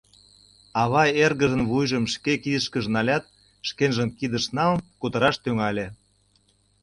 Ава эргыжын вуйжым шке кидышкыже налят, шкенжым кидыш налын, кутыраш тӱҥале: